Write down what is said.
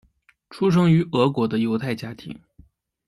出生于俄国的犹太家庭。